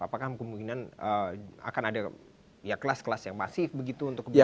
apakah kemungkinan akan ada kelas kelas yang masif begitu untuk kepentingan